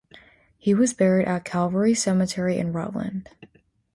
He was buried at Calvary Cemetery in Rutland.